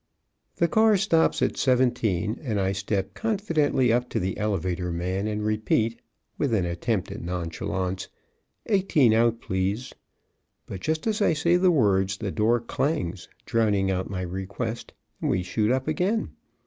'"] The car stops at seventeen, and I step confidentially up to the elevator man and repeat, with an attempt at nonchalance, "Eighteen out, please." But just as I say the words the door clangs, drowning out my request, and we shoot up again.